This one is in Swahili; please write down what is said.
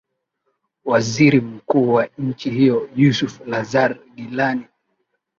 waziri mkuu wa nchi hiyo yusuf lazar gilani